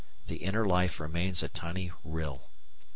The inner life remains a tiny rill.